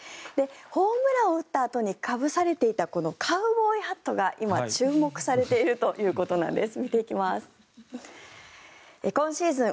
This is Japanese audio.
ホームランを打ったあとにかぶされていたこのカウボーイハットが今、注目されているということなんです。